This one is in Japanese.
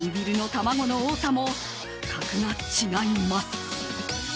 カニビルの卵の多さも格が違います。